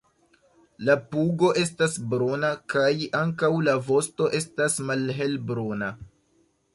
La pugo estas bruna kaj ankaŭ la vosto estas malhelbruna.